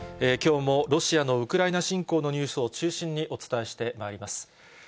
きょうもロシアのウクライナ侵攻のニュースを中心にお伝えしてまいります。